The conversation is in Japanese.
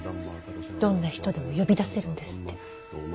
どんな人でも呼び出せるんですって。